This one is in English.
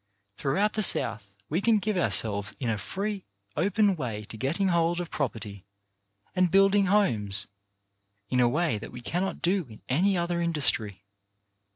Throughout the South we can give ourselves in a free, open way to getting hold of property and building homes, in a way that we cannot do in any other industry.